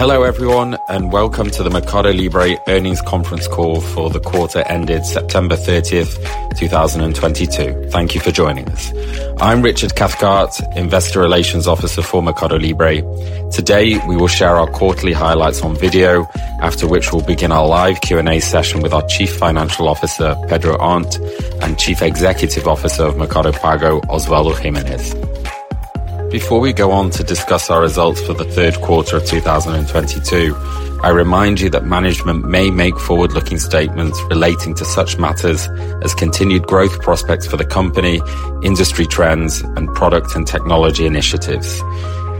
Hello, everyone, and welcome to the Mercado Libre earnings conference call for the quarter ended September 30th, 2022. Thank you for joining us. I'm Richard Cathcart, Investor Relations Officer for Mercado Libre. Today, we will share our quarterly highlights on video after which we'll begin our live Q&A session with our Chief Financial Officer, Pedro Arnt, and Chief Executive Officer of Mercado Pago, Osvaldo Giménez. Before we go on to discuss our results for the third quarter of 2022, I remind you that management may make forward-looking statements relating to such matters as continued growth prospects for the company, industry trends, and product and technology initiatives.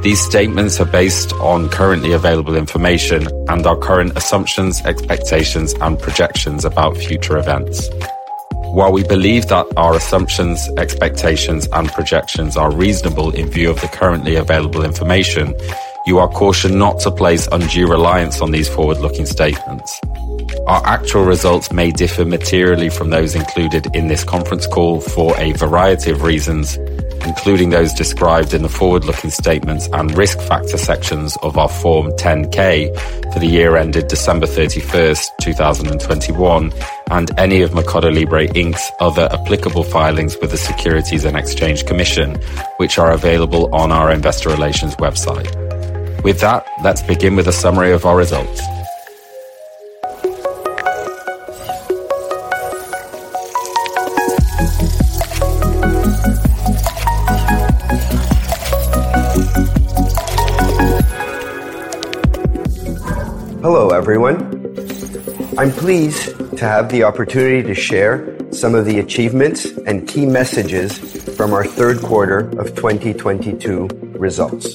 These statements are based on currently available information and our current assumptions, expectations, and projections about future events. While we believe that our assumptions, expectations, and projections are reasonable in view of the currently available information, you are cautioned not to place undue reliance on these forward-looking statements. Our actual results may differ materially from those included in this conference call for a variety of reasons, including those described in the forward-looking statements and risk factor sections of our Form 10-K for the year ended December 31st, 2021, and any of Mercado Libre, Inc.'s other applicable filings with the Securities and Exchange Commission, which are available on our investor relations website. With that, let's begin with a summary of our results. Hello, everyone. I'm pleased to have the opportunity to share some of the achievements and key messages from our third quarter of 2022 results.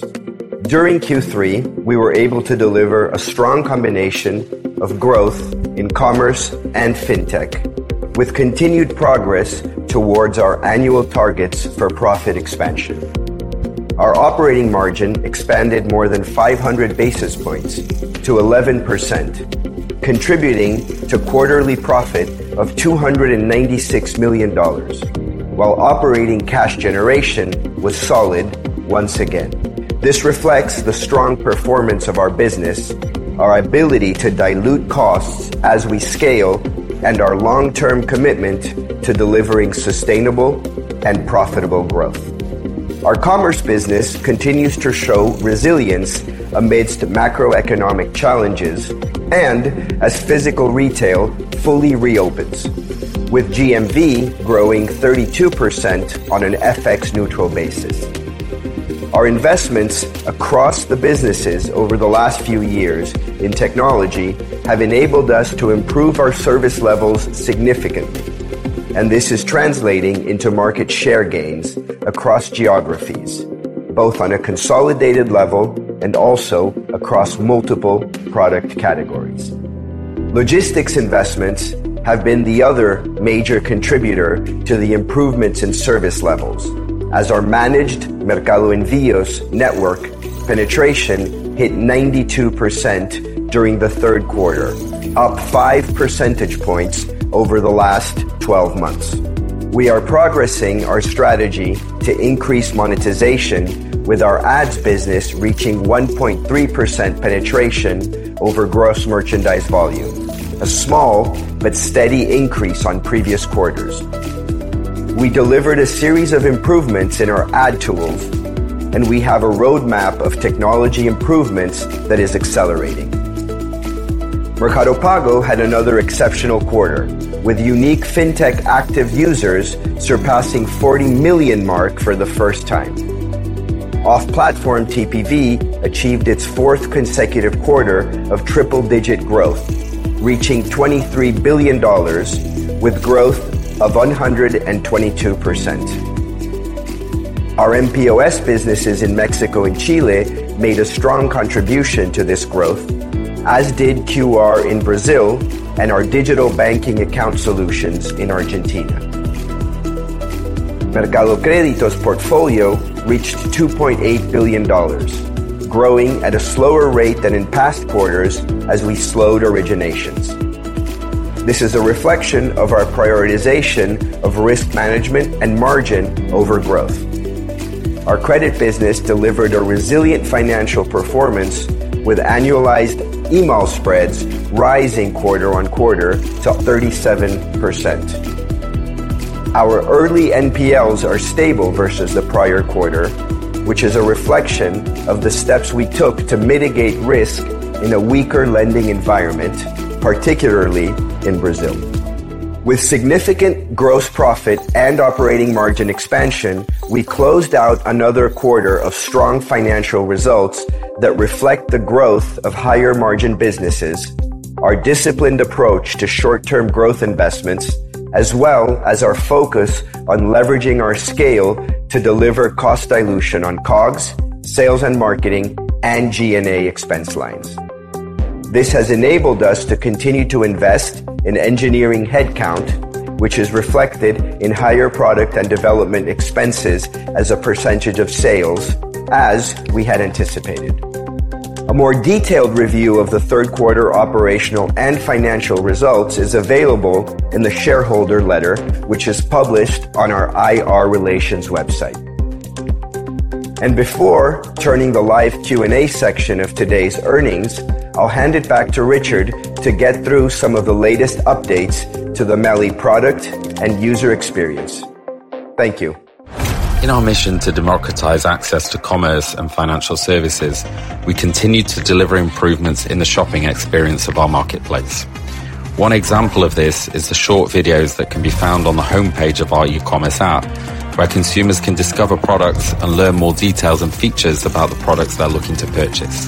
During Q3, we were able to deliver a strong combination of growth in commerce and fintech, with continued progress towards our annual targets for profit expansion. Our operating margin expanded more than 500 basis points to 11%, contributing to quarterly profit of $296 million while operating cash generation was solid once again. This reflects the strong performance of our business, our ability to dilute costs as we scale, and our long-term commitment to delivering sustainable and profitable growth. Our commerce business continues to show resilience amidst macroeconomic challenges and as physical retail fully reopens, with GMV growing 32% on an FX neutral basis. Our investments across the businesses over the last few years in technology have enabled us to improve our service levels significantly, and this is translating into market share gains across geographies, both on a consolidated level and also across multiple product categories. Logistics investments have been the other major contributor to the improvements in service levels as our managed Mercado Envíos network penetration hit 92% during the third quarter, up 5 percentage points over the last 12 months. We are progressing our strategy to increase monetization with our ads business reaching 1.3% penetration over gross merchandise volume, a small but steady increase on previous quarters. We delivered a series of improvements in our ad tools, and we have a roadmap of technology improvements that is accelerating. Mercado Pago had another exceptional quarter with unique fintech active users surpassing 40 million mark for the first time. Off-platform TPV achieved its fourth consecutive quarter of triple-digit growth, reaching $23 billion with growth of 122%. Our mPOS businesses in Mexico and Chile made a strong contribution to this growth, as did QR in Brazil and our digital banking account solutions in Argentina. Mercado Crédito portfolio reached $2.8 billion, growing at a slower rate than in past quarters as we slowed originations. This is a reflection of our prioritization of risk management and margin over growth. Our credit business delivered a resilient financial performance with annualized IMAL spreads rising quarter-over-quarter to 37%. Our early NPLs are stable versus the prior quarter, which is a reflection of the steps we took to mitigate risk in a weaker lending environment, particularly in Brazil. With significant gross profit and operating margin expansion, we closed out another quarter of strong financial results that reflect the growth of higher margin businesses, our disciplined approach to short-term growth investments, as well as our focus on leveraging our scale to deliver cost dilution on COGS, sales and marketing, and G&A expense lines. This has enabled us to continue to invest in engineering headcount, which is reflected in higher product and development expenses as a percentage of sales as we had anticipated. A more detailed review of the third quarter operational and financial results is available in the shareholder letter, which is published on our IR relations website. Before turning the live Q&A section of today's earnings, I'll hand it back to Richard to get through some of the latest updates to the MELI product and user experience. Thank you. In our mission to democratize access to commerce and financial services, we continue to deliver improvements in the shopping experience of our marketplace. One example of this is the short videos that can be found on the homepage of our e-commerce app, where consumers can discover products and learn more details and features about the products they're looking to purchase.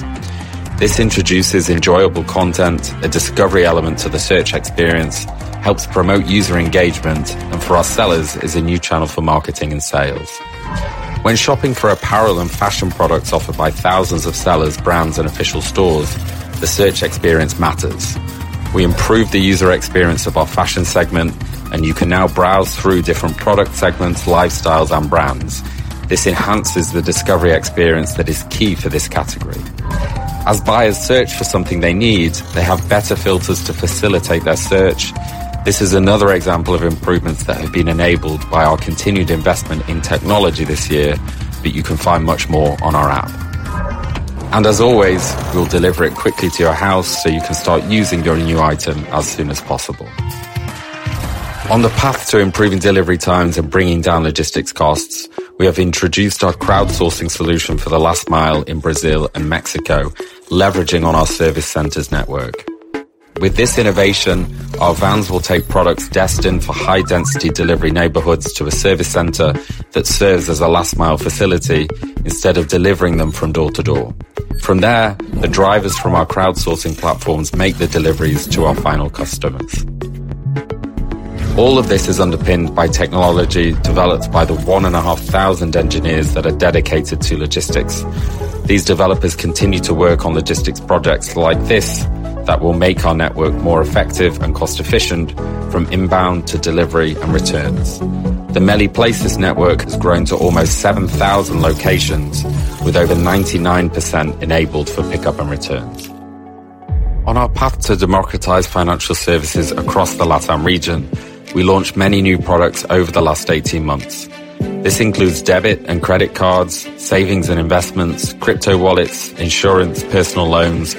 This introduces enjoyable content, a discovery element to the search experience, helps promote user engagement, and for our sellers, is a new channel for marketing and sales. When shopping for apparel and fashion products offered by thousands of sellers, brands, and official stores, the search experience matters. We improved the user experience of our fashion segment, and you can now browse through different product segments, lifestyles, and brands. This enhances the discovery experience that is key for this category. As buyers search for something they need, they have better filters to facilitate their search. This is another example of improvements that have been enabled by our continued investment in technology this year, but you can find much more on our app. As always, we'll deliver it quickly to your house so you can start using your new item as soon as possible. On the path to improving delivery times and bringing down logistics costs, we have introduced our crowdsourcing solution for the last mile in Brazil and Mexico, leveraging on our service centers network. With this innovation, our vans will take products destined for high-density delivery neighborhoods to a service center that serves as a last mile facility instead of delivering them from door to door. From there, the drivers from our crowdsourcing platforms make the deliveries to our final customers. All of this is underpinned by technology developed by the 1,500 engineers that are dedicated to logistics. These developers continue to work on logistics projects like this that will make our network more effective and cost efficient from inbound to delivery and returns. The MELI Places network has grown to almost 7,000 locations, with over 99% enabled for pickup and returns. On our path to democratize financial services across the LatAm region, we launched many new products over the last 18 months. This includes debit and credit cards, savings and investments, crypto wallets, insurance, personal loans,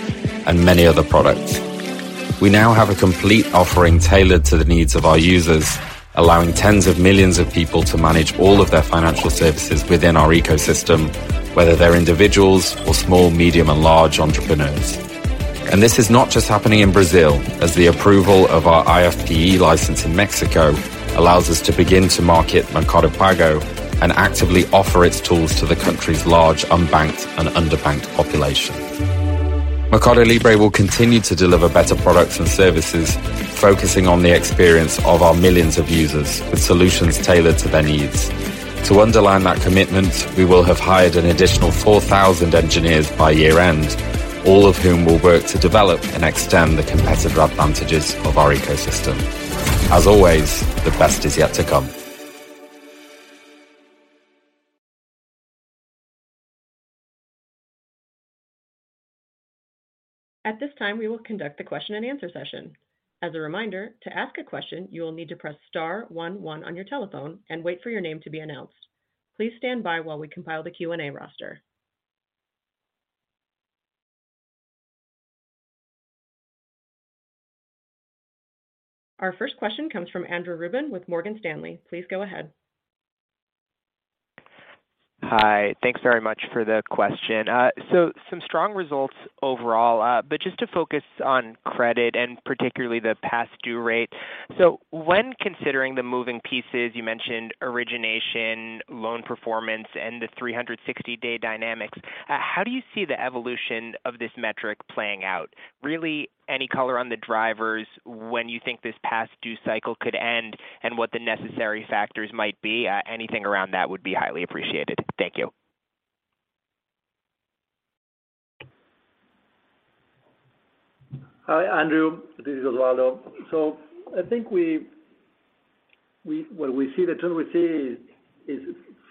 and many other products. We now have a complete offering tailored to the needs of our users, allowing tens of millions of people to manage all of their financial services within our ecosystem, whether they're individuals or small, medium, and large entrepreneurs. This is not just happening in Brazil, as the approval of our IFPE license in Mexico allows us to begin to market Mercado Pago and actively offer its tools to the country's large unbanked and underbanked population. Mercado Libre will continue to deliver better products and services, focusing on the experience of our millions of users with solutions tailored to their needs. To underline that commitment, we will have hired an additional 4,000 engineers by year-end, all of whom will work to develop and extend the competitive advantages of our ecosystem. As always, the best is yet to come. At this time, we will conduct the question-and-answer session. As a reminder, to ask a question, you will need to press star one one on your telephone and wait for your name to be announced. Please stand by while we compile the Q&A roster. Our first question comes from Andrew Ruben with Morgan Stanley. Please go ahead. Hi. Thanks very much for the question. So some strong results overall, but just to focus on credit and particularly the past due rate. When considering the moving pieces, you mentioned origination, loan performance, and the 360-day dynamics, how do you see the evolution of this metric playing out? Really any color on the drivers, when you think this past due cycle could end, and what the necessary factors might be? Anything around that would be highly appreciated. Thank you. Hi, Andrew, this is Osvaldo. I think the trend we see is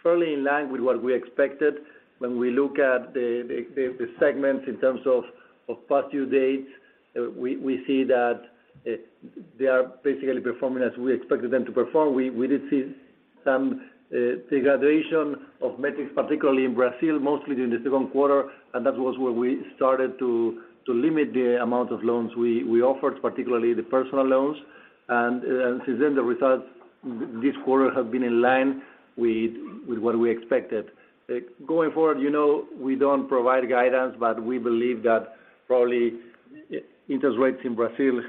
fairly in line with what we expected. When we look at the segments in terms of past due dates, we see that they are basically performing as we expected them to perform. We did see some degradation of metrics, particularly in Brazil, mostly in the second quarter, and that was where we started to limit the amount of loans we offered, particularly the personal loans. Since then, the results this quarter have been in line with what we expected. Going forward, you know, we don't provide guidance, but we believe that probably interest rates in Brazil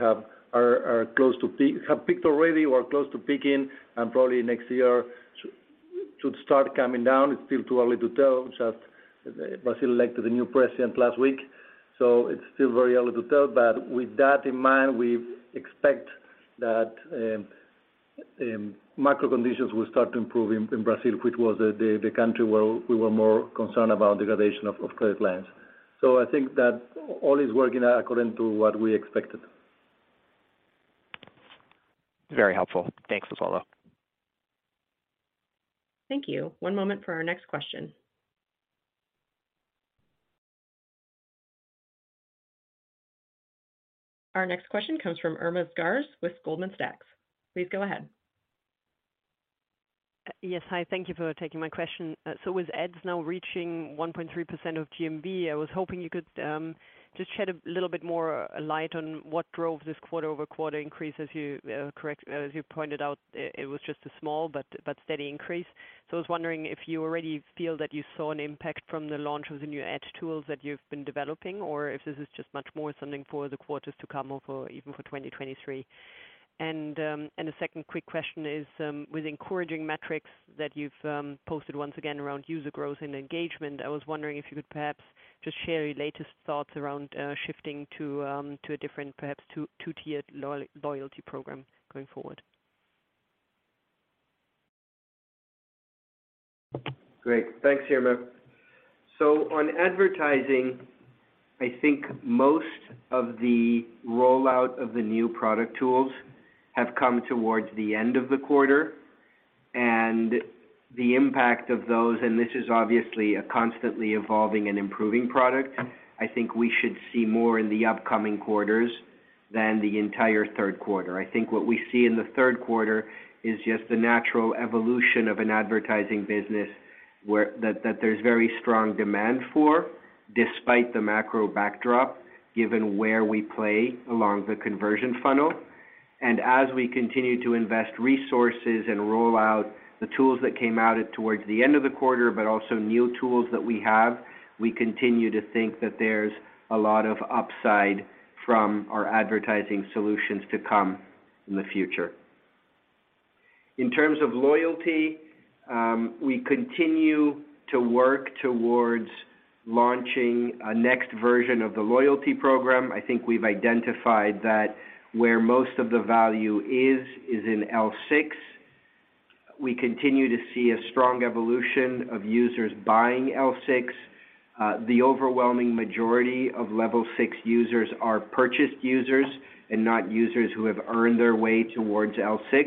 are close to peak, have peaked already or close to peaking, and probably next year should start coming down. It's still too early to tell. Just, Brazil elected a new president last week, so it's still very early to tell. With that in mind, we expect that macro conditions will start to improve in Brazil, which was the country where we were more concerned about degradation of credit lines. I think that all is working according to what we expected. Very helpful. Thanks, Osvaldo. Thank you. One moment for our next question. Our next question comes from Irma Sgarz with Goldman Sachs. Please go ahead. Yes. Hi. Thank you for taking my question. With ads now reaching 1.3% of GMV, I was hoping you could just shed a little bit more light on what drove this quarter-over-quarter increase as you correctly pointed out, it was just a small but steady increase. I was wondering if you already feel that you saw an impact from the launch of the new ad tools that you've been developing, or if this is just much more something for the quarters to come or even for 2023. The second quick question is, with encouraging metrics that you've posted once again around user growth and engagement, I was wondering if you could perhaps just share your latest thoughts around shifting to a different, perhaps two-tiered loyalty program going forward. Great. Thanks, Irma. On advertising, I think most of the rollout of the new product tools have come towards the end of the quarter and the impact of those, and this is obviously a constantly evolving and improving product. I think we should see more in the upcoming quarters than the entire third quarter. I think what we see in the third quarter is just the natural evolution of an advertising business where there's very strong demand for despite the macro backdrop, given where we play along the conversion funnel. As we continue to invest resources and roll out the tools that came out towards the end of the quarter, but also new tools that we have, we continue to think that there's a lot of upside from our advertising solutions to come in the future. In terms of loyalty, we continue to work towards launching a next version of the loyalty program. I think we've identified that where most of the value is in L6. We continue to see a strong evolution of users buying L6. The overwhelming majority of level six users are purchased users and not users who have earned their way towards L6.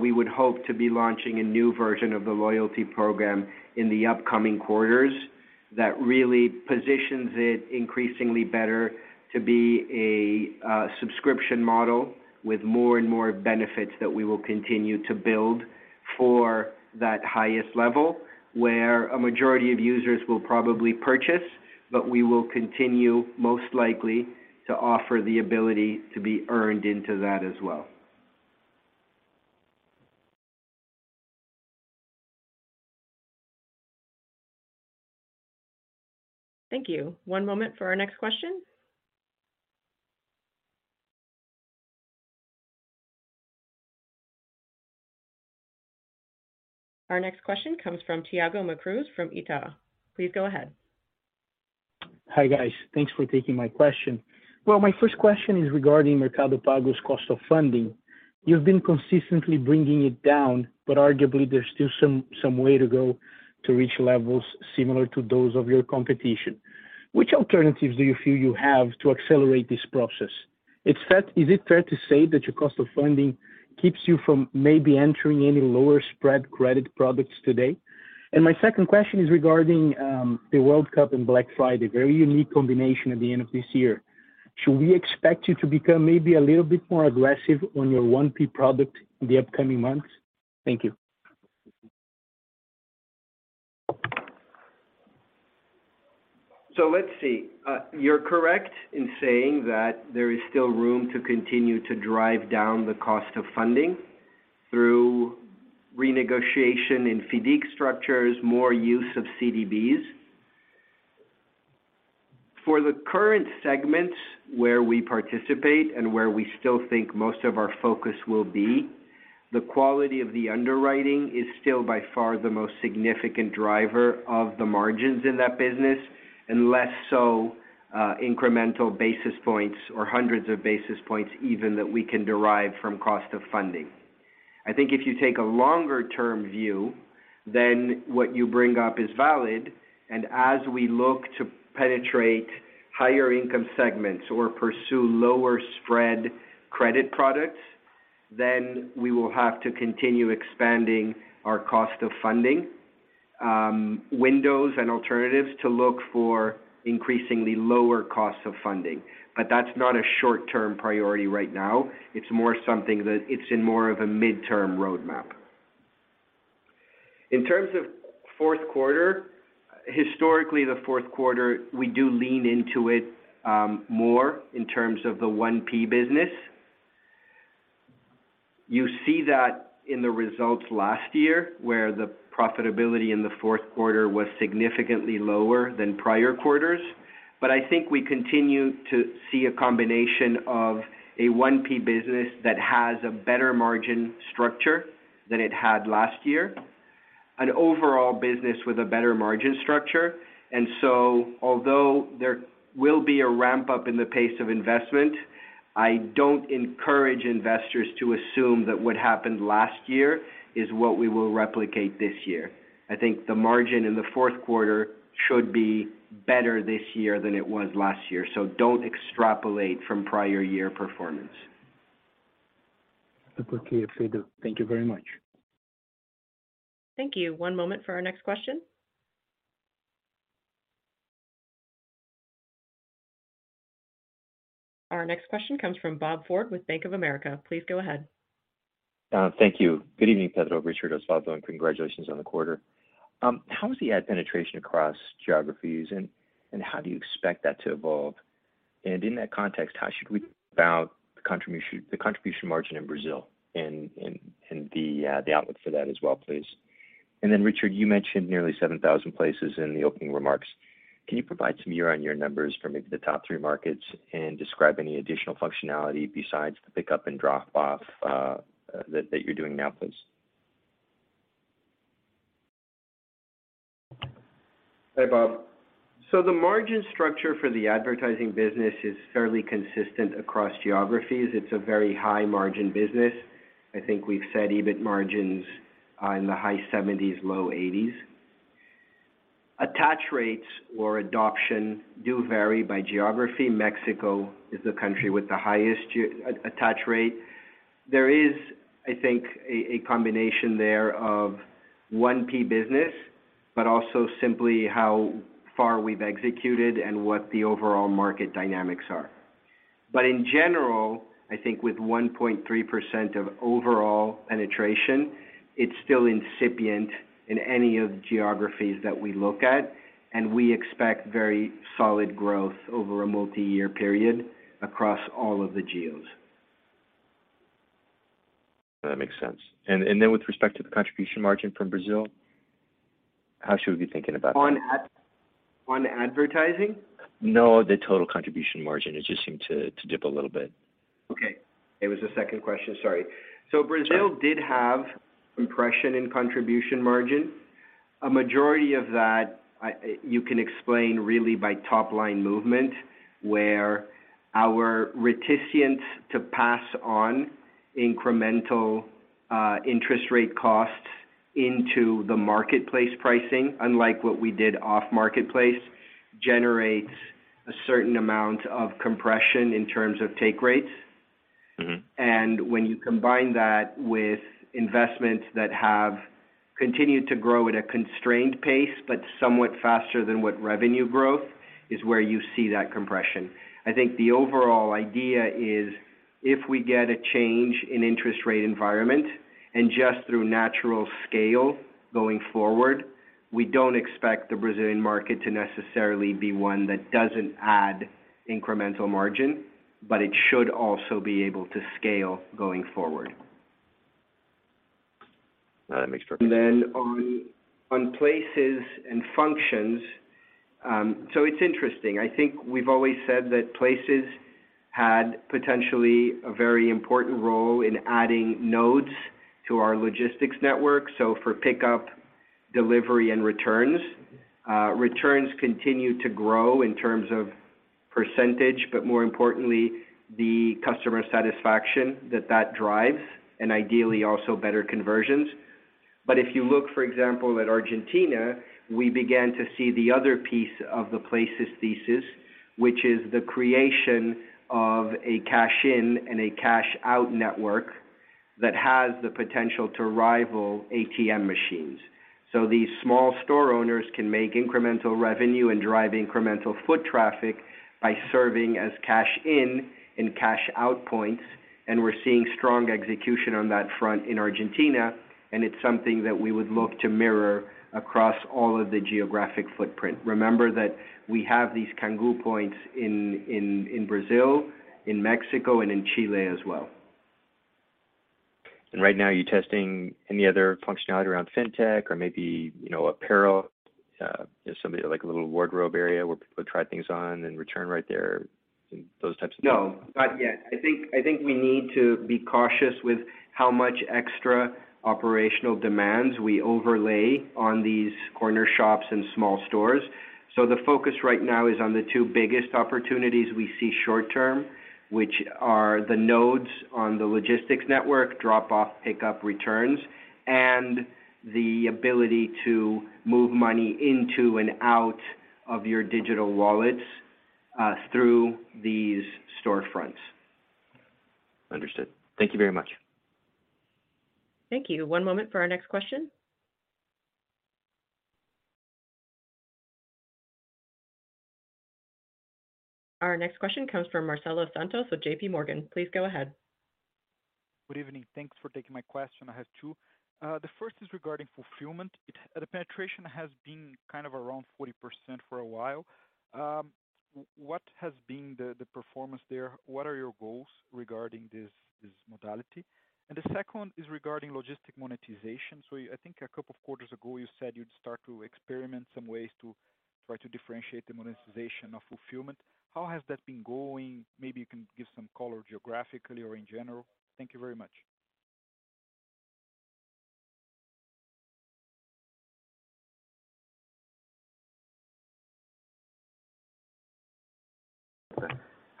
We would hope to be launching a new version of the loyalty program in the upcoming quarters that really positions it increasingly better to be a subscription model with more and more benefits that we will continue to build for that highest level, where a majority of users will probably purchase. We will continue, most likely, to offer the ability to be earned into that as well. Thank you. One moment for our next question. Our next question comes from Thiago Macruz from Itaú. Please go ahead. Hi, guys. Thanks for taking my question. Well, my first question is regarding Mercado Pago's cost of funding. You've been consistently bringing it down, but arguably there's still some way to go to reach levels similar to those of your competition. Which alternatives do you feel you have to accelerate this process? Is it fair to say that your cost of funding keeps you from maybe entering any lower spread credit products today? My second question is regarding the World Cup and Black Friday, very unique combination at the end of this year. Should we expect you to become maybe a little bit more aggressive on your 1P product in the upcoming months? Thank you. Let's see. You're correct in saying that there is still room to continue to drive down the cost of funding through renegotiation in FIDC structures, more use of CDBs. For the current segments where we participate and where we still think most of our focus will be, the quality of the underwriting is still by far the most significant driver of the margins in that business, and less so, incremental basis points or hundreds of basis points even that we can derive from cost of funding. I think if you take a longer-term view, then what you bring up is valid. As we look to penetrate higher income segments or pursue lower spread credit products, then we will have to continue expanding our cost of funding, windows and alternatives to look for increasingly lower costs of funding. That's not a short-term priority right now. It's more something that it's in more of a midterm roadmap. In terms of fourth quarter, historically, the fourth quarter, we do lean into it, more in terms of the 1P business. You see that in the results last year, where the profitability in the fourth quarter was significantly lower than prior quarters. I think we continue to see a combination of a 1P business that has a better margin structure than it had last year, an overall business with a better margin structure. Although there will be a ramp up in the pace of investment, I don't encourage investors to assume that what happened last year is what we will replicate this year. I think the margin in the fourth quarter should be better this year than it was last year. Don't extrapolate from prior year performance. Thank you very much. Thank you. One moment for our next question. Our next question comes from Bob Ford with Bank of America. Please go ahead. Thank you. Good evening, Pedro, Richard, Osvaldo, and congratulations on the quarter. How is the ad penetration across geographies and how do you expect that to evolve? In that context, how should we think about the contribution margin in Brazil and the outlook for that as well, please? Then Richard, you mentioned nearly 7,000 places in the opening remarks. Can you provide some year-on-year numbers for maybe the top three markets and describe any additional functionality besides the pickup and drop-off that you're doing now, please? Hi, Bob. The margin structure for the advertising business is fairly consistent across geographies. It's a very high margin business. I think we've said EBIT margins are in the high 70%s to low 80%s. Attach rates or adoption do vary by geography. Mexico is the country with the highest attach rate. There is, I think, a combination there of 1P business, but also simply how far we've executed and what the overall market dynamics are. In general, I think with 1.3% of overall penetration, it's still incipient in any of the geographies that we look at, and we expect very solid growth over a multiyear period across all of the geos. That makes sense. With respect to the contribution margin from Brazil, how should we be thinking about that? On add-on advertising? No, the total contribution margin. It just seemed to dip a little bit. Okay. It was the second question. Sorry. Sorry. Brazil did have compression in contribution margin. A majority of that you can explain really by top-line movement, where our reticence to pass on incremental interest rate costs into the marketplace pricing, unlike what we did off marketplace, generates a certain amount of compression in terms of take rates. Mm-hmm. When you combine that with investments that have continued to grow at a constrained pace but somewhat faster than with revenue growth is where you see that compression. I think the overall idea is if we get a change in interest rate environment and just through natural scale going forward, we don't expect the Brazilian market to necessarily be one that doesn't add incremental margin, but it should also be able to scale going forward. No, that makes perfect sense. Places and functions. It's interesting. I think we've always said that places had potentially a very important role in adding nodes to our logistics network. For pickup, delivery, and returns. Returns continue to grow in terms of percentage, but more importantly, the customer satisfaction that that drives, and ideally, also better conversions. If you look, for example, at Argentina, we began to see the other piece of the places thesis, which is the creation of a cash in and a cash out network that has the potential to rival ATM machines. These small store owners can make incremental revenue and drive incremental foot traffic by serving as cash in and cash out points. We're seeing strong execution on that front in Argentina. It's something that we would look to mirror across all of the geographic footprint. Remember that we have these Kangu points in Brazil, in Mexico and in Chile as well. Right now, are you testing any other functionality around fintech or maybe, you know, apparel? You know, something like a little wardrobe area where people try things on and return right there, those types of things. No, not yet. I think we need to be cautious with how much extra operational demands we overlay on these corner shops and small stores. The focus right now is on the two biggest opportunities we see short term, which are the nodes on the logistics network, drop-off, pickup, returns, and the ability to move money into and out of your digital wallets through these storefronts. Understood. Thank you very much. Thank you. One moment for our next question. Our next question comes from Marcelo Santos with JPMorgan. Please go ahead. Good evening. Thanks for taking my question. I have two. The first is regarding fulfillment. The penetration has been kind of around 40% for a while. What has been the performance there? What are your goals regarding this modality? The second is regarding logistic monetization. I think a couple of quarters ago you said you'd start to experiment some ways to try to differentiate the monetization of fulfillment. How has that been going? Maybe you can give some color geographically or in general. Thank you very much.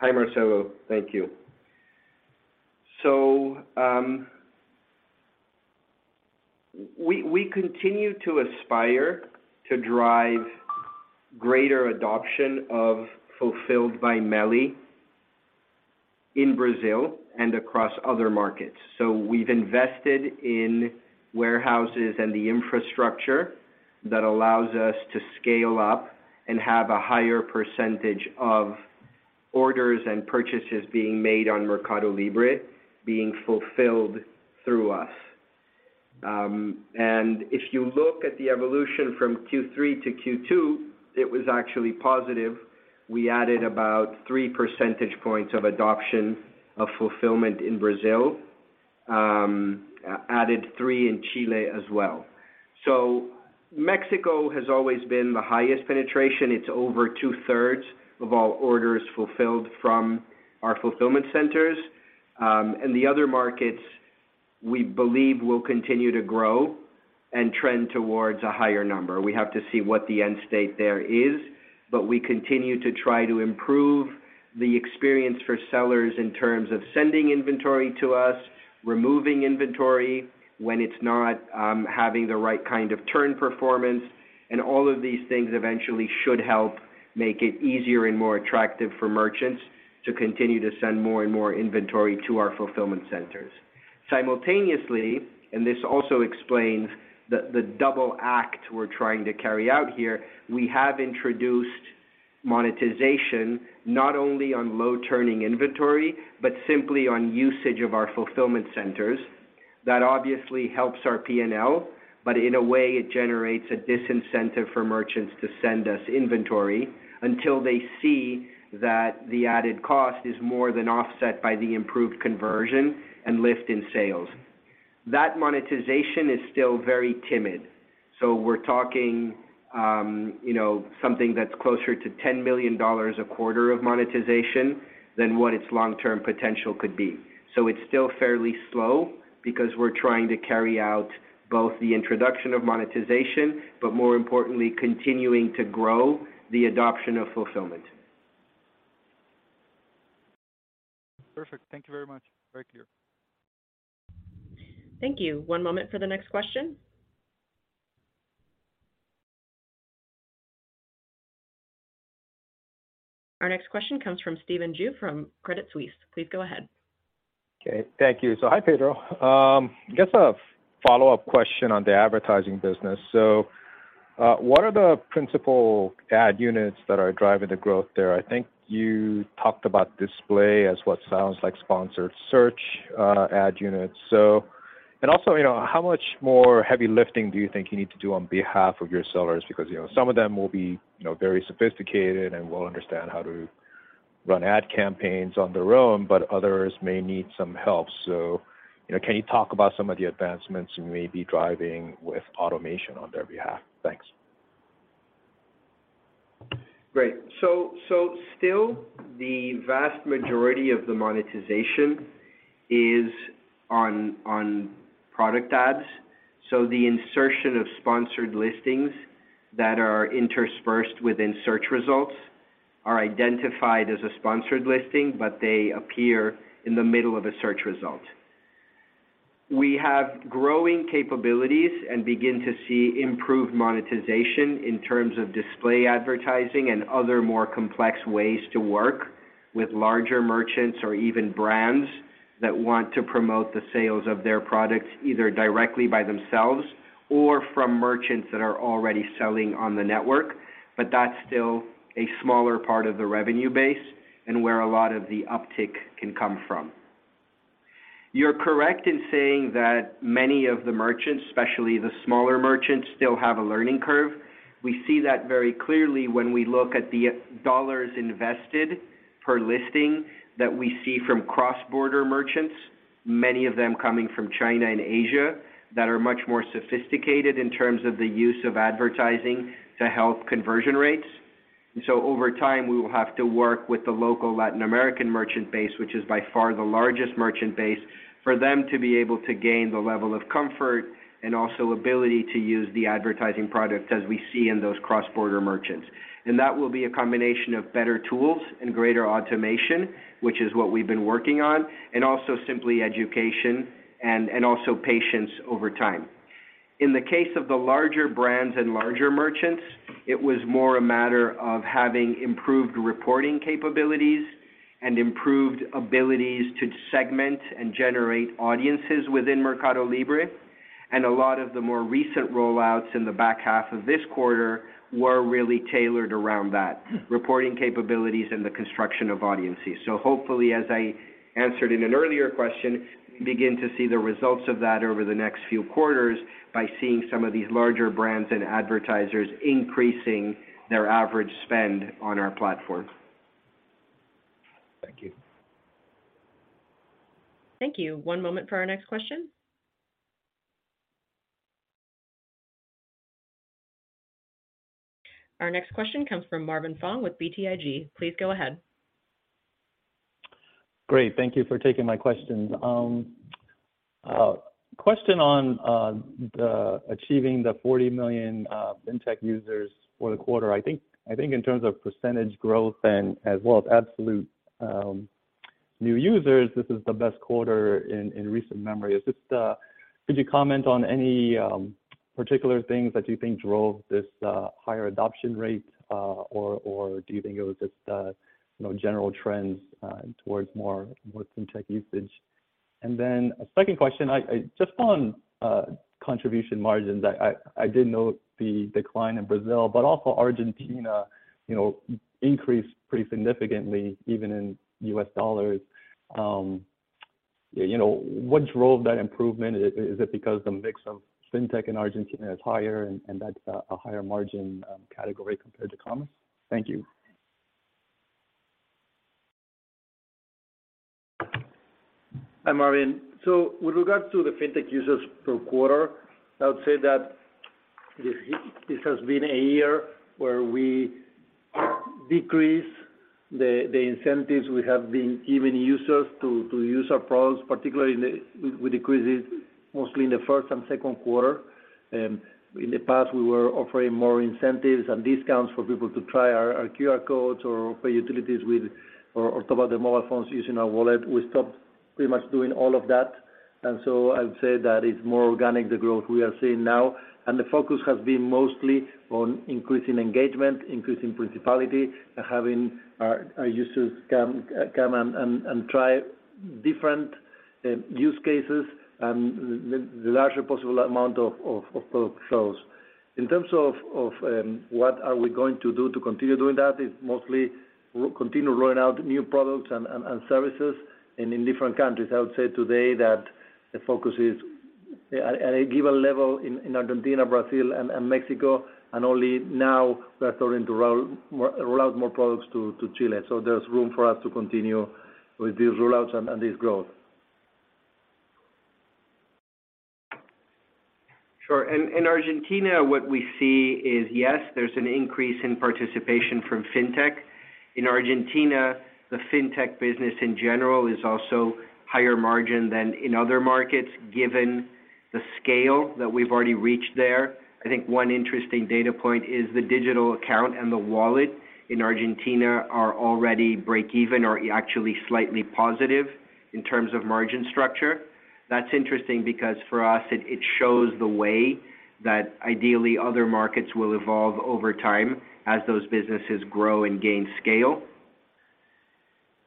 Hi, Marcelo. Thank you. We continue to aspire to drive greater adoption of fulfilled by MELI in Brazil and across other markets. We've invested in warehouses and the infrastructure that allows us to scale up and have a higher percentage of orders and purchases being made on Mercado Libre being fulfilled through us. If you look at the evolution from Q3 to Q2, it was actually positive. We added about three percentage points of adoption of fulfillment in Brazil, added three in Chile as well. Mexico has always been the highest penetration. It's over 2/3 of all orders fulfilled from our fulfillment centers. The other markets we believe will continue to grow and trend towards a higher number. We have to see what the end state there is, but we continue to try to improve the experience for sellers in terms of sending inventory to us, removing inventory when it's not having the right kind of turn performance. All of these things eventually should help make it easier and more attractive for merchants to continue to send more and more inventory to our fulfillment centers. Simultaneously, this also explains the double act we're trying to carry out here, we have introduced monetization not only on low turning inventory, but simply on usage of our fulfillment centers. That obviously helps our P&L, but in a way it generates a disincentive for merchants to send us inventory until they see that the added cost is more than offset by the improved conversion and lift in sales. That monetization is still very timid. We're talking something that's closer to $10 million a quarter of monetization than what its long-term potential could be. It's still fairly slow because we're trying to carry out both the introduction of monetization, but more importantly, continuing to grow the adoption of fulfillment. Perfect. Thank you very much. Very clear. Thank you. One moment for the next question. Our next question comes from Stephen Ju from Credit Suisse. Please go ahead. Okay. Thank you. Hi, Pedro. Just a follow-up question on the advertising business. What are the principal ad units that are driving the growth there? I think you talked about display as what sounds like sponsored search, ad units. Also, you know, how much more heavy lifting do you think you need to do on behalf of your sellers? Because, you know, some of them will be, you know, very sophisticated and will understand how to run ad campaigns on their own, but others may need some help. You know, can you talk about some of the advancements you may be driving with automation on their behalf? Thanks. Great. Still the vast majority of the monetization is on product ads. The insertion of sponsored listings that are interspersed within search results are identified as a sponsored listing, but they appear in the middle of a search result. We have growing capabilities and begin to see improved monetization in terms of display advertising and other more complex ways to work with larger merchants or even brands that want to promote the sales of their products, either directly by themselves or from merchants that are already selling on the network. That's still a smaller part of the revenue base and where a lot of the uptick can come from. You're correct in saying that many of the merchants, especially the smaller merchants, still have a learning curve. We see that very clearly when we look at the dollars invested per listing that we see from cross-border merchants, many of them coming from China and Asia, that are much more sophisticated in terms of the use of advertising to help conversion rates. Over time, we will have to work with the local Latin American merchant base, which is by far the largest merchant base, for them to be able to gain the level of comfort and also ability to use the advertising products as we see in those cross-border merchants. That will be a combination of better tools and greater automation, which is what we've been working on, and also simply education and also patience over time. In the case of the larger brands and larger merchants, it was more a matter of having improved reporting capabilities and improved abilities to segment and generate audiences within Mercado Libre. A lot of the more recent rollouts in the back half of this quarter were really tailored around that, reporting capabilities and the construction of audiences. Hopefully, as I answered in an earlier question, we begin to see the results of that over the next few quarters by seeing some of these larger brands and advertisers increasing their average spend on our platform. Thank you. Thank you. One moment for our next question. Our next question comes from Marvin Fong with BTIG. Please go ahead. Great. Thank you for taking my questions. Question on achieving the 40 million FinTech users for the quarter. I think in terms of percentage growth and as well as absolute new users, this is the best quarter in recent memory. Could you comment on any particular things that you think drove this higher adoption rate? Or do you think it was just you know general trends towards more fintech usage? Then a second question. Just on contribution margins. I did note the decline in Brazil, but also Argentina you know increased pretty significantly even in U.S. dollars. Yeah you know what drove that improvement? Is it because the mix of fintech in Argentina is higher and that's a higher margin category compared to commerce? Thank you. Hi, Marvin. With regards to the fintech users per quarter, I would say that this has been a year where we decrease the incentives we have been giving users to use our products, particularly, we decreased it mostly in the first and second quarter. In the past, we were offering more incentives and discounts for people to try our QR codes or pay utilities with, or top-up their mobile phones using our wallet. We stopped pretty much doing all of that. I would say that it's more organic, the growth we are seeing now. The focus has been mostly on increasing engagement, increasing frequency, and having our users come and try different use cases and the larger possible amount of product flows. In terms of what we are going to do to continue doing that, is mostly we'll continue rolling out new products and services and in different countries. I would say today that the focus is at a given level in Argentina, Brazil, and Mexico, and only now we are starting to roll out more products to Chile. There's room for us to continue with these rollouts and this growth. Sure. In Argentina, what we see is, yes, there's an increase in participation from fintech. In Argentina, the fintech business in general is also higher margin than in other markets, given the scale that we've already reached there. I think one interesting data point is the digital account and the wallet in Argentina are already breakeven or actually slightly positive in terms of margin structure. That's interesting because for us, it shows the way that ideally other markets will evolve over time as those businesses grow and gain scale.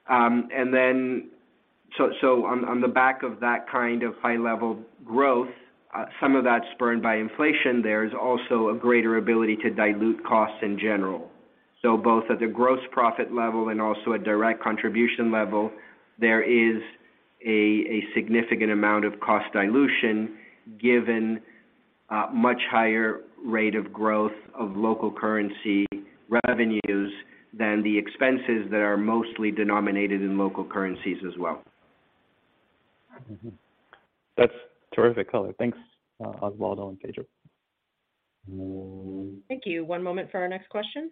On the back of that kind of high level growth, some of that's spurred by inflation, there is also a greater ability to dilute costs in general. Both at the gross profit level and also at direct contribution level, there is a significant amount of cost dilution given much higher rate of growth of local currency revenues than the expenses that are mostly denominated in local currencies as well. Mm-hmm. That's terrific color. Thanks, Osvaldo and Pedro. Thank you. One moment for our next question.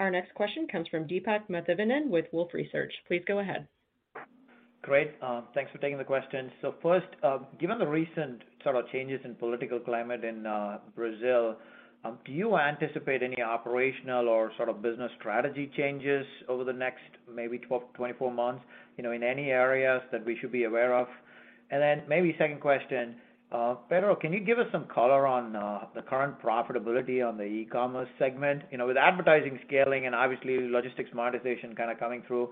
Our next question comes from Deepak Mathivanan with Wolfe Research. Please go ahead. Great. Thanks for taking the question. First, given the recent sort of changes in political climate in Brazil, do you anticipate any operational or sort of business strategy changes over the next maybe 12-24 months, you know, in any areas that we should be aware of? Maybe second question, Pedro, can you give us some color on the current profitability on the e-commerce segment? You know, with advertising scaling and obviously logistics monetization kind of coming through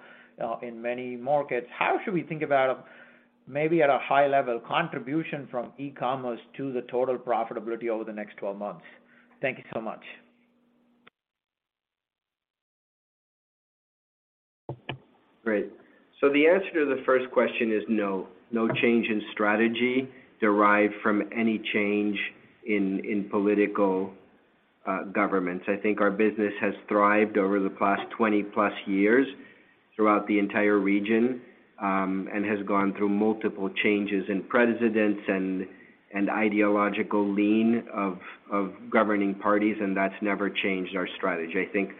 in many markets, how should we think about, maybe at a high level, contribution from e-commerce to the total profitability over the next 12 months? Thank you so much. Great. The answer to the first question is no change in strategy derived from any change in political governments. I think our business has thrived over the past 20+ years throughout the entire region, and has gone through multiple changes in presidents and ideological lean of governing parties, and that's never changed our strategy. I think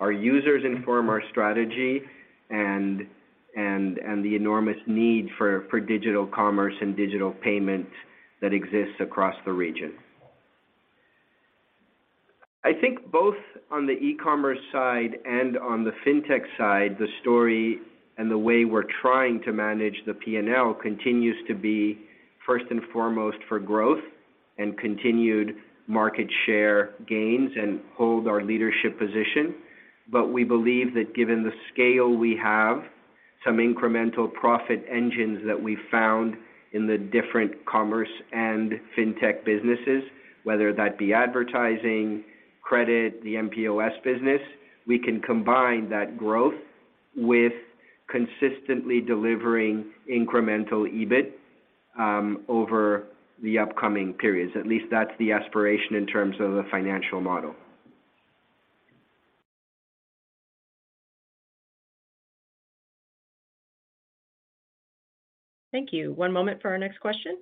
our users inform our strategy and the enormous need for digital commerce and digital payment that exists across the region. I think both on the e-commerce side and on the fintech side, the story and the way we're trying to manage the P&L continues to be first and foremost for growth and continued market share gains and hold our leadership position. We believe that given the scale we have, some incremental profit engines that we found in the different commerce and fintech businesses, whether that be advertising, credit, the MPOS business, we can combine that growth with consistently delivering incremental EBIT over the upcoming periods. At least that's the aspiration in terms of the financial model. Thank you. One moment for our next question.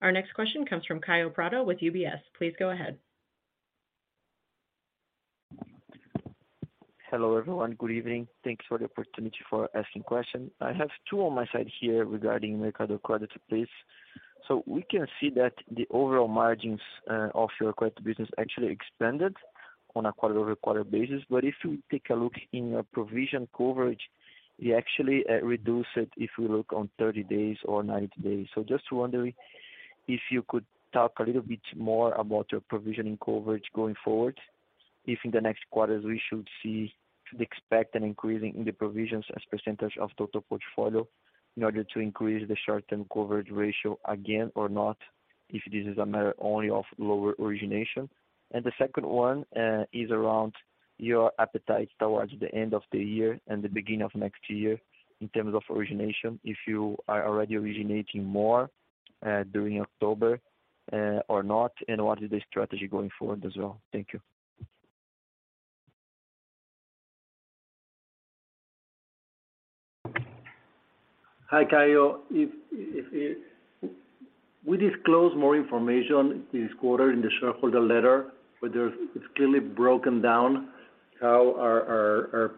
Our next question comes from Kaio Prato with UBS. Please go ahead. Hello, everyone. Good evening. Thanks for the opportunity for asking questions. I have two on my side here regarding Mercado Crédito, please. We can see that the overall margins of your credit business actually expanded on a quarter-over-quarter basis. If you take a look in your provision coverage, you actually reduce it if you look on 30 days or 90 days. Just wondering if you could talk a little bit more about your provisioning coverage going forward, if in the next quarters we should see the expected increase in the provisions as percentage of total portfolio in order to increase the short-term coverage ratio again or not, if this is a matter only of lower origination. The second one is around your appetite towards the end of the year and the beginning of next year in terms of origination, if you are already originating more during October or not, and what is the strategy going forward as well? Thank you. Hi, Kaio. If we disclose more information this quarter in the shareholder letter, where it's clearly broken down how our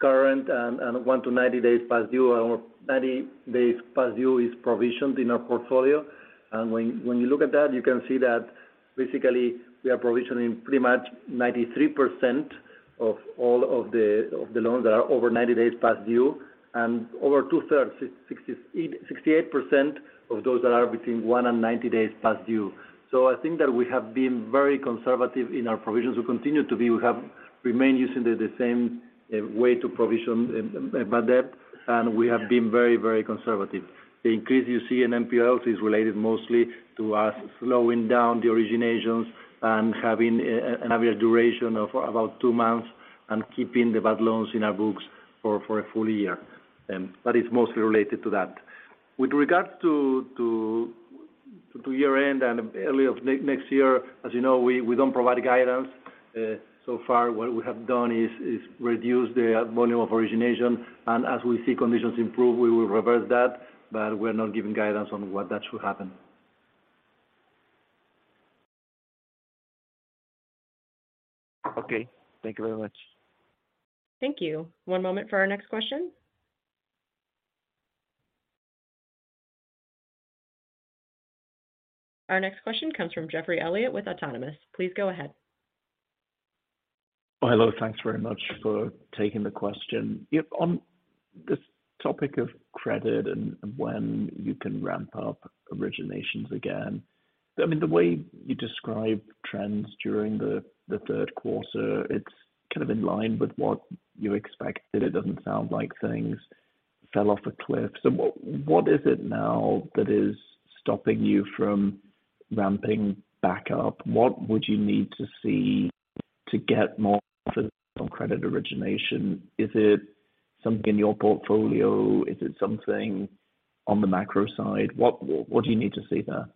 current and 1-90 days past due and 90 days past due is provisioned in our portfolio. When you look at that, you can see that basically we are provisioning pretty much 93% of all of the loans that are over 90 days past due and over 2/3, 68% of those that are between one and 90 days past due. I think that we have been very conservative in our provisions. We continue to be. We have remained using the same way to provision bad debt, and we have been very, very conservative. The increase you see in NPLs is related mostly to us slowing down the originations and having an average duration of about two months and keeping the bad loans in our books for a full year. That is mostly related to that. With regards to year-end and early next year, as you know, we don't provide guidance. So far what we have done is reduce the volume of origination, and as we see conditions improve, we will reverse that, but we're not giving guidance on when that should happen. Okay. Thank you very much. Thank you. One moment for our next question. Our next question comes from Geoffrey Elliott with Autonomous. Please go ahead. Hello. Thanks very much for taking the question. Yeah, on this topic of credit and when you can ramp up originations again, I mean, the way you describe trends during the third quarter, it's kind of in line with what you expected. It doesn't sound like things fell off a cliff. What is it now that is stopping you from ramping back up? What would you need to see to get more confidence on credit origination? Is it something in your portfolio? Is it something on the macro side? What do you need to see there?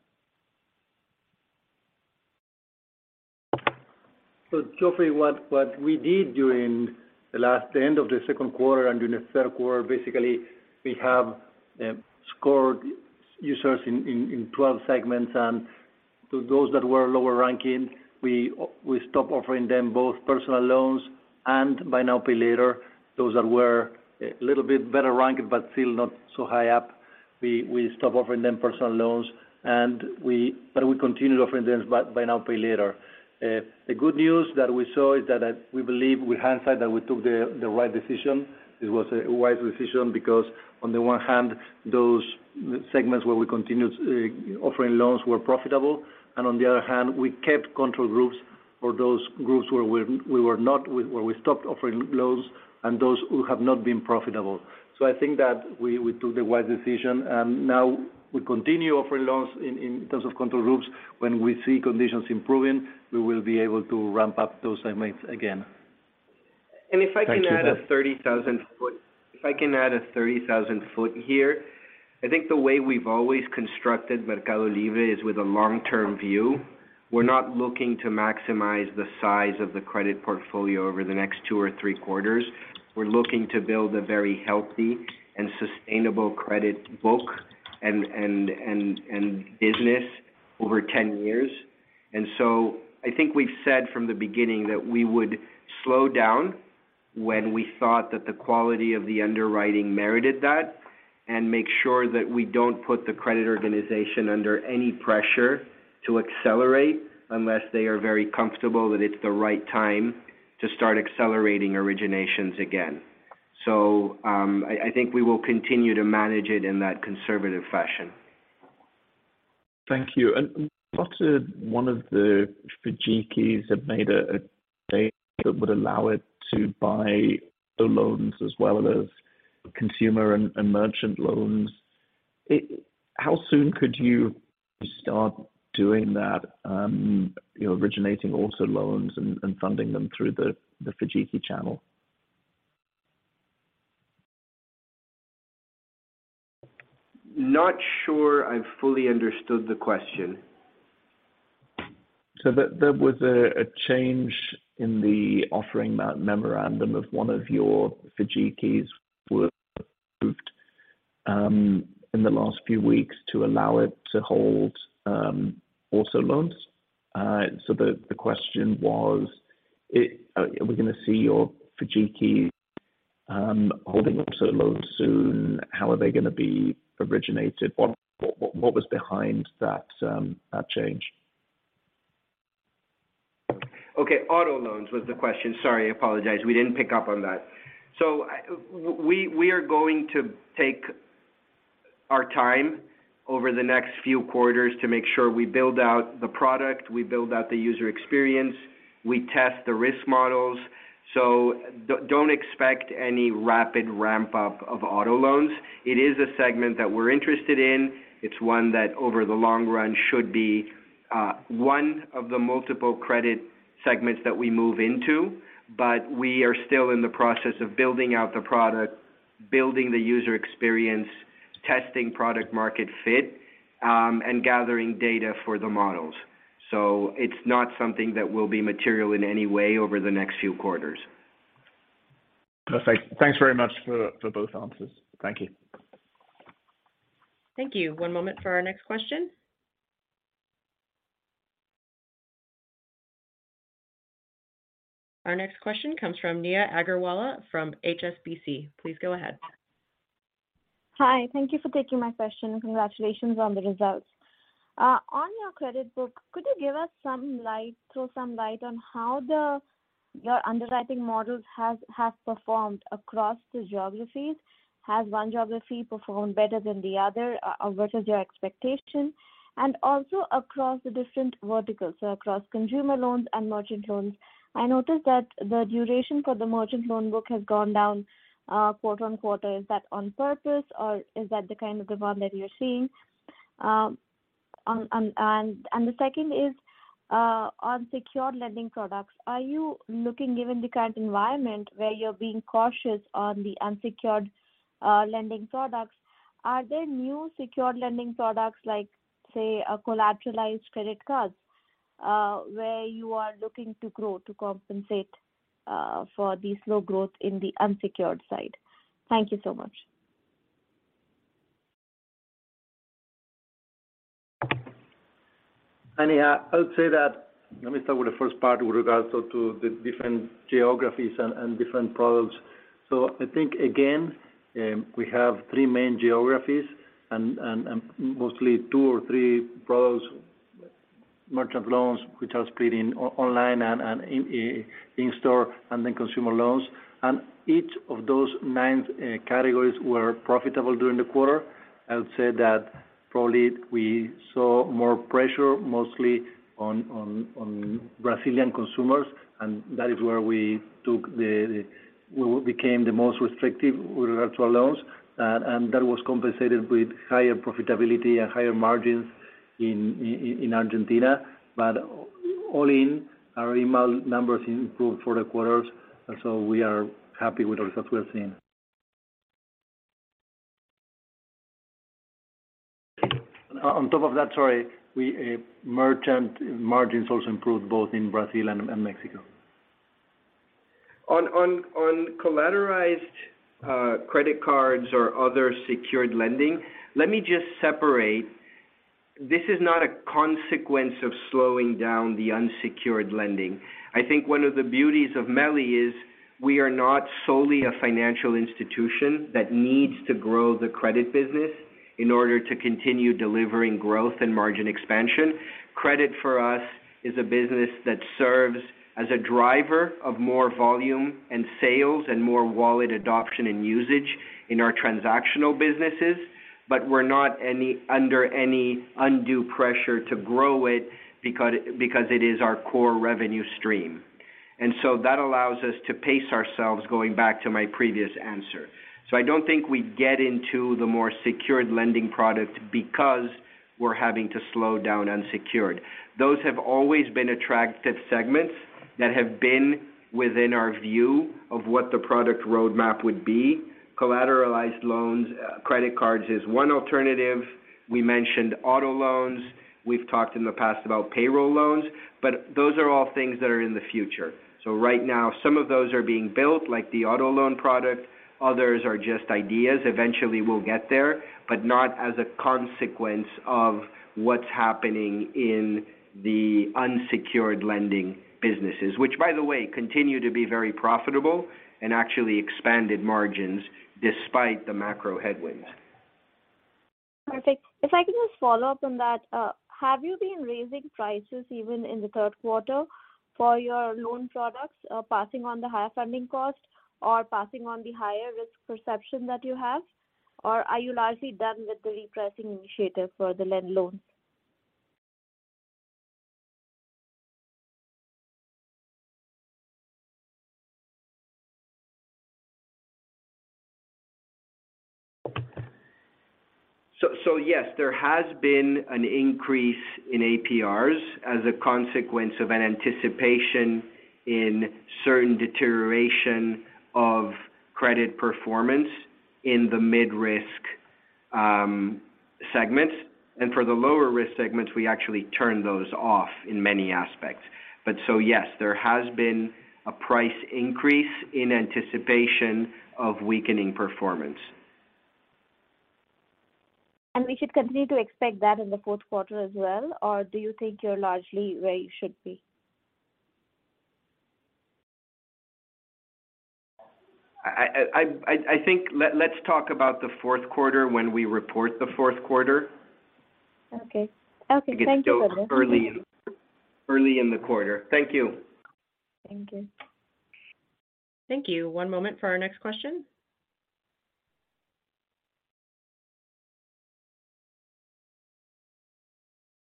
Geoffrey, what we did during the last end of the second quarter and during the third quarter, basically, we scored users in 12 segments, and to those that were lower ranking, we stopped offering them both personal loans and Buy Now, Pay Later. Those that were a little bit better ranked but still not so high up, we stopped offering them personal loans but we continued offering them Buy Now, Pay Later. The good news that we saw is that we believe with hindsight that we took the right decision. It was a wise decision because on the one hand, those segments where we continued offering loans were profitable, and on the other hand, we kept control groups for those groups where we stopped offering loans and those who have not been profitable. I think that we took the wise decision, and now we continue offering loans in terms of control groups. When we see conditions improving, we will be able to ramp up those segments again. Thank you for that. If I can add a 30,000 ft here, I think the way we've always constructed Mercado Libre is with a long-term view. We're not looking to maximize the size of the credit portfolio over the next two or three quarters. We're looking to build a very healthy and sustainable credit book and business over 10 years. I think we've said from the beginning that we would slow down when we thought that the quality of the underwriting merited that and make sure that we don't put the credit organization under any pressure to accelerate unless they are very comfortable that it's the right time to start accelerating originations again. I think we will continue to manage it in that conservative fashion. Thank you. I thought one of the FIDCs have made a play that would allow it to buy the loans as well as consumer and merchant loans. How soon could you start doing that, you know, originating also loans and funding them through the FIDC channel? Not sure I fully understood the question. There was a change in the offering memorandum of one of your FIDCs in the last few weeks to allow it to hold auto loans. The question was, are we gonna see your FIDCs holding auto loans soon? How are they gonna be originated? What was behind that change? Okay. Auto loans was the question. Sorry, I apologize. We didn't pick up on that. We are going to take our time over the next few quarters to make sure we build out the product, we build out the user experience, we test the risk models. Don't expect any rapid ramp up of auto loans. It is a segment that we're interested in. It's one that over the long run should be one of the multiple credit segments that we move into, but we are still in the process of building out the product, building the user experience, testing product market fit, and gathering data for the models. It's not something that will be material in any way over the next few quarters. Perfect. Thanks very much for both answers. Thank you. Thank you. One moment for our next question. Our next question comes from Neha Agarwala from HSBC. Please go ahead. Hi. Thank you for taking my question, and congratulations on the results. On your credit book, could you give us some light, throw some light on how your underwriting models have performed across the geographies? Has one geography performed better than the other, or what is your expectation? Also across the different verticals, so across consumer loans and merchant loans. I noticed that the duration for the merchant loan book has gone down, quarter on quarter. Is that on purpose, or is that the kind of thing that you're seeing? The second is on secured lending products, are you looking given the current environment where you're being cautious on the unsecured lending products, are there new secured lending products like, say, a collateralized credit cards, where you are looking to grow to compensate for the slow growth in the unsecured side? Thank you so much. Hi, Neha. I would say that, let me start with the first part with regards to the different geographies and different products. I think again, we have three main geographies and mostly two or three products, merchant loans which are split in online and in store, and then consumer loans. Each of those nine categories were profitable during the quarter. I would say that probably we saw more pressure mostly on Brazilian consumers, and that is where we became the most restrictive with regard to our loans. That was compensated with higher profitability and higher margins in Argentina. All in, our IMAL numbers improved for the quarters, and so we are happy with the results we are seeing. On top of that, sorry, we merchant margins also improved both in Brazil and Mexico. On collateralized credit cards or other secured lending, let me just separate. This is not a consequence of slowing down the unsecured lending. I think one of the beauties of MELI is we are not solely a financial institution that needs to grow the credit business in order to continue delivering growth and margin expansion. Credit for us is a business that serves as a driver of more volume and sales and more wallet adoption and usage in our transactional businesses, but we're not under any undue pressure to grow it because it is our core revenue stream. That allows us to pace ourselves going back to my previous answer. I don't think we get into the more secured lending product because we're having to slow down unsecured. Those have always been attractive segments that have been within our view of what the product roadmap would be. Collateralized loans, credit cards is one alternative. We mentioned auto loans. We've talked in the past about payroll loans. Those are all things that are in the future. Right now some of those are being built, like the auto loan product. Others are just ideas. Eventually we'll get there, but not as a consequence of what's happening in the unsecured lending businesses. Which by the way, continue to be very profitable and actually expanded margins despite the macro headwinds. Perfect. If I could just follow up on that. Have you been raising prices even in the third quarter for your loan products, passing on the higher funding cost or passing on the higher risk perception that you have, or are you largely done with the repricing initiative for the lending loans? Yes, there has been an increase in APRs as a consequence of an anticipation in certain deterioration of credit performance in the mid-risk segments. For the lower risk segments, we actually turn those off in many aspects. Yes, there has been a price increase in anticipation of weakening performance. We should continue to expect that in the fourth quarter as well, or do you think you're largely where you should be? I think let's talk about the fourth quarter when we report the fourth quarter. Okay. Okay, thank you so much. It's still early in the quarter. Thank you. Thank you. Thank you. One moment for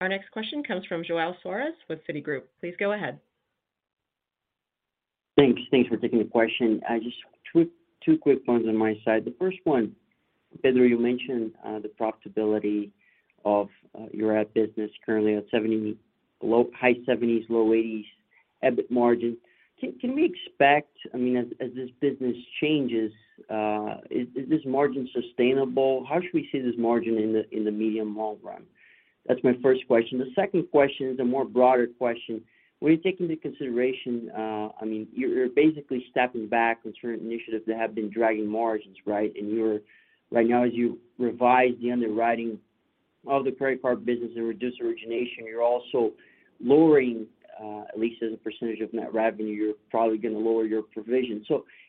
our next question. Our next question comes from João Soares with Citigroup. Please go ahead. Thanks for taking the question. Just two quick ones on my side. The first one, Pedro, you mentioned the profitability of your ad business currently at high 70%s-low 80%s EBIT margin. Can we expect, I mean, as this business changes, is this margin sustainable? How should we see this margin in the medium long run? That's my first question. The second question is a more broader question. When you take into consideration, I mean, you're basically stepping back from certain initiatives that have been dragging margins, right? Right now as you revise the underwriting of the prepaid card business and reduce origination, you're also lowering, at least as a percentage of net revenue, you're probably gonna lower your provision.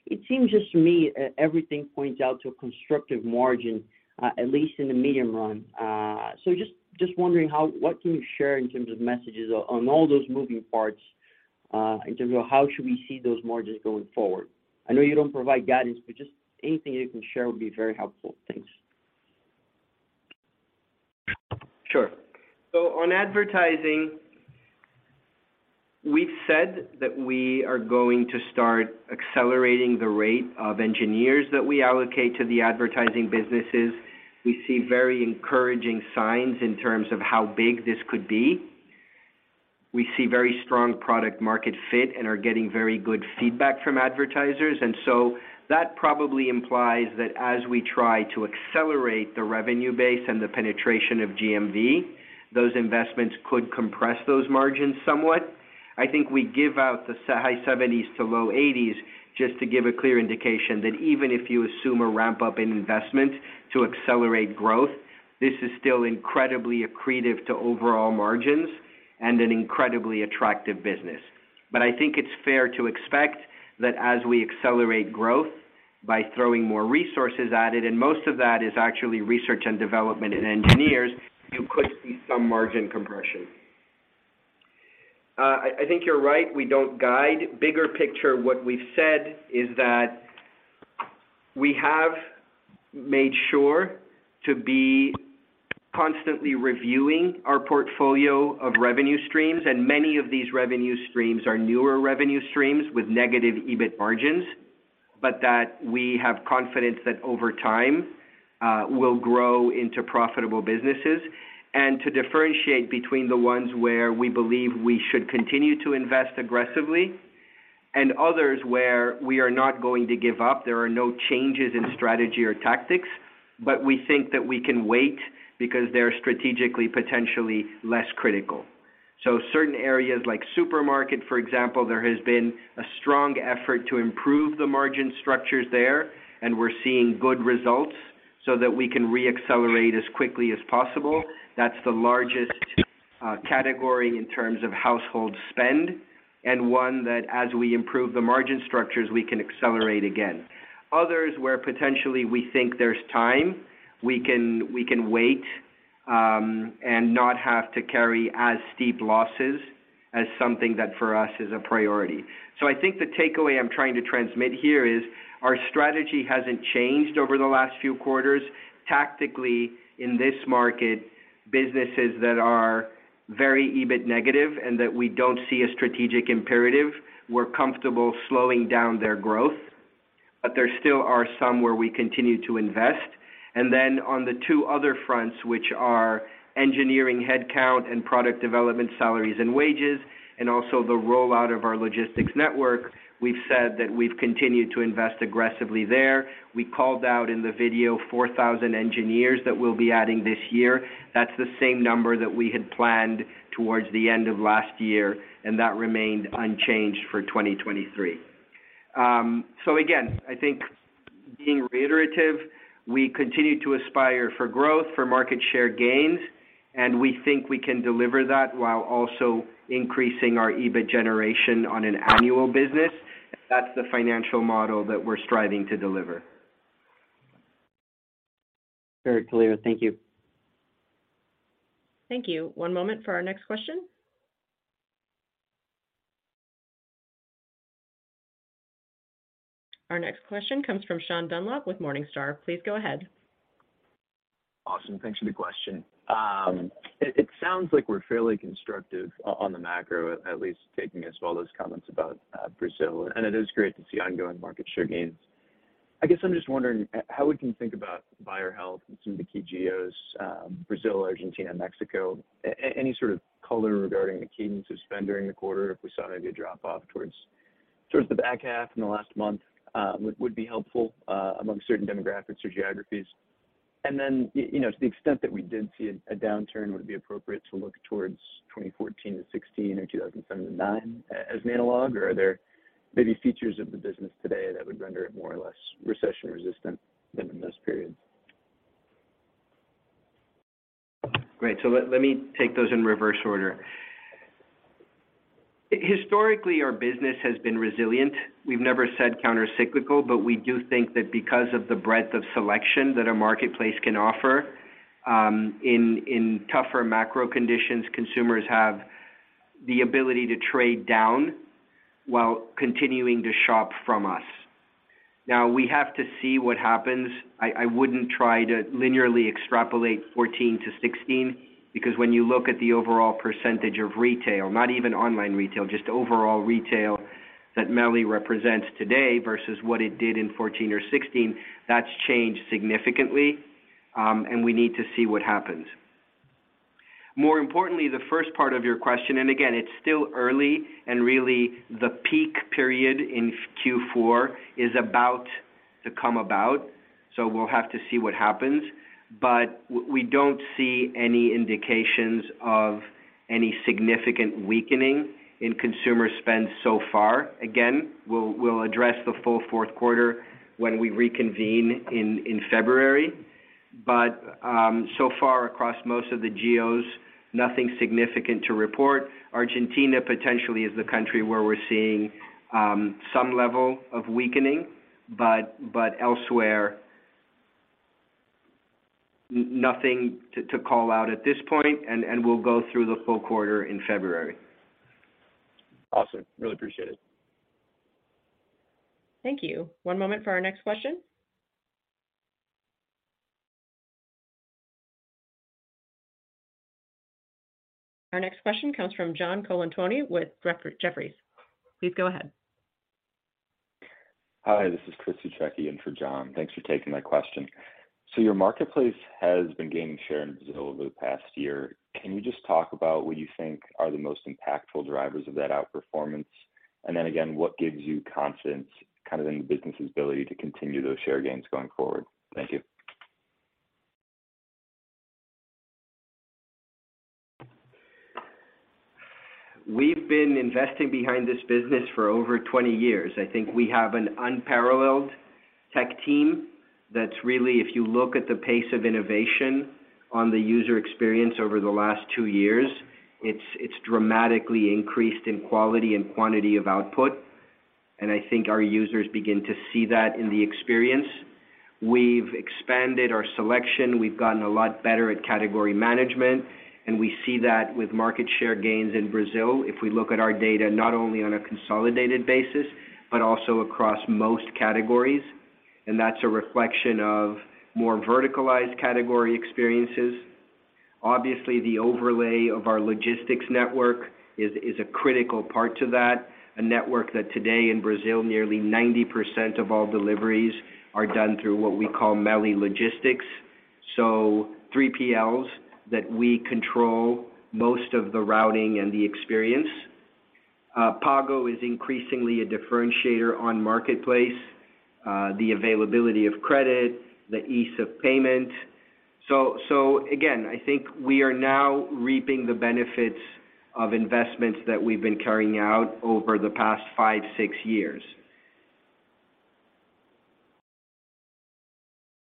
It seems just to me, everything points out to a constructive margin, at least in the medium run. Just wondering what can you share in terms of messages on all those moving parts, in terms of how should we see those margins going forward? I know you don't provide guidance, but just anything you can share would be very helpful. Thanks. Sure. On advertising, we've said that we are going to start accelerating the rate of engineers that we allocate to the advertising businesses. We see very encouraging signs in terms of how big this could be. We see very strong product market fit and are getting very good feedback from advertisers. That probably implies that as we try to accelerate the revenue base and the penetration of GMV, those investments could compress those margins somewhat. I think we give out the high 70s% to low 80s% just to give a clear indication that even if you assume a ramp-up in investment to accelerate growth, this is still incredibly accretive to overall margins and an incredibly attractive business. I think it's fair to expect that as we accelerate growth by throwing more resources at it, and most of that is actually research and development in engineers, you could see some margin compression. I think you're right, we don't guide. Bigger picture, what we've said is that we have made sure to be constantly reviewing our portfolio of revenue streams, and many of these revenue streams are newer revenue streams with negative EBIT margins, but that we have confidence that over time, will grow into profitable businesses. To differentiate between the ones where we believe we should continue to invest aggressively and others where we are not going to give up, there are no changes in strategy or tactics, but we think that we can wait because they're strategically, potentially less critical. Certain areas like supermarket, for example, there has been a strong effort to improve the margin structures there, and we're seeing good results so that we can re-accelerate as quickly as possible. That's the largest category in terms of household spend and one that as we improve the margin structures, we can accelerate again. Others where potentially we think there's time, we can wait and not have to carry as steep losses as something that for us is a priority. I think the takeaway I'm trying to transmit here is our strategy hasn't changed over the last few quarters. Tactically, in this market, businesses that are very EBIT negative and that we don't see a strategic imperative, we're comfortable slowing down their growth. There still are some where we continue to invest. On the two other fronts, which are engineering headcount and product development salaries and wages, and also the rollout of our logistics network, we've said that we've continued to invest aggressively there. We called out in the video 4,000 engineers that we'll be adding this year. That's the same number that we had planned towards the end of last year, and that remained unchanged for 2023. So again, I think being reiterative, we continue to aspire for growth, for market share gains, and we think we can deliver that while also increasing our EBIT generation on an annual business. That's the financial model that we're striving to deliver. Very clear. Thank you. Thank you. One moment for our next question. Our next question comes from Sean Dunlop with Morningstar. Please go ahead. Awesome. Thanks for the question. It sounds like we're fairly constructive on the macro, at least taking all those comments about Brazil, and it is great to see ongoing market share gains. I guess I'm just wondering how we can think about buyer health in some of the key geos, Brazil, Argentina, Mexico. Any sort of color regarding the cadence of spend during the quarter if we saw maybe a drop off towards the back half in the last month would be helpful among certain demographics or geographies. You know, to the extent that we did see a downturn, would it be appropriate to look towards 2014-2016 or 2007-2009 as an analog? Are there maybe features of the business today that would render it more or less recession-resistant than in those periods? Great. Let me take those in reverse order. Historically, our business has been resilient. We've never said countercyclical, but we do think that because of the breadth of selection that our marketplace can offer, in tougher macro conditions, consumers have the ability to trade down while continuing to shop from us. Now, we have to see what happens. I wouldn't try to linearly extrapolate 2014-2016, because when you look at the overall percentage of retail, not even online retail, just overall retail, that MELI represents today versus what it did in 2014 or 2016, that's changed significantly. We need to see what happens. More importantly, the first part of your question, and again, it's still early and really the peak period in Q4 is about to come about, so we'll have to see what happens. We don't see any indications of any significant weakening in consumer spend so far. Again, we'll address the full fourth quarter when we reconvene in February. So far, across most of the geos, nothing significant to report. Argentina potentially is the country where we're seeing some level of weakening, but elsewhere, nothing to call out at this point, and we'll go through the full quarter in February. Awesome. Really appreciate it. Thank you. One moment for our next question. Our next question comes from John Colantuoni with Jefferies. Please go ahead. Hi, this is Chris Suchecki in for John. Thanks for taking my question. Your marketplace has been gaining share in Brazil over the past year. Can you just talk about what you think are the most impactful drivers of that outperformance? What gives you confidence kind of in the business's ability to continue those share gains going forward? Thank you. We've been investing behind this business for over 20 years. I think we have an unparalleled tech team that's really, if you look at the pace of innovation on the user experience over the last two years, it's dramatically increased in quality and quantity of output. I think our users begin to see that in the experience. We've expanded our selection. We've gotten a lot better at category management, and we see that with market share gains in Brazil, if we look at our data not only on a consolidated basis, but also across most categories. That's a reflection of more verticalized category experiences. Obviously, the overlay of our logistics network is a critical part to that. A network that today in Brazil, nearly 90% of all deliveries are done through what we call MELI Logistics. 3PLs that we control most of the routing and the experience. Pago is increasingly a differentiator on marketplace, the availability of credit, the ease of payment. Again, I think we are now reaping the benefits of investments that we've been carrying out over the past five, six years.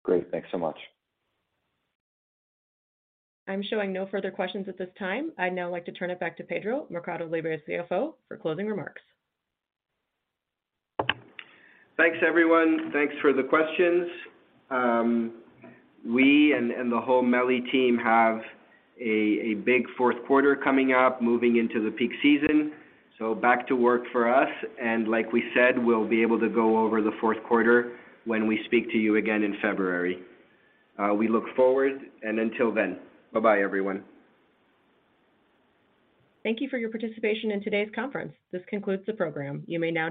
Great. Thanks so much. I'm showing no further questions at this time. I'd now like to turn it back to Pedro Arnt, CFO, for closing remarks. Thanks, everyone. Thanks for the questions. We and the whole MELI team have a big fourth quarter coming up, moving into the peak season. Back to work for us. Like we said, we'll be able to go over the fourth quarter when we speak to you again in February. We look forward and until then. Bye-bye, everyone. Thank you for your participation in today's conference. This concludes the program. You may now disconnect.